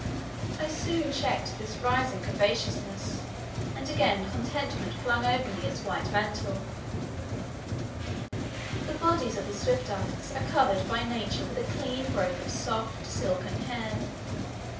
I soon checked this rising covetousness, and again contentment flung over me its white mantle. The bodies of these Swiftites are covered by nature with a clean growth of soft, silken hair.